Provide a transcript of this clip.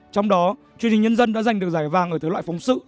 trong đó chương trình nhân dân đã giành được giải vàng ở thể loại phóng sự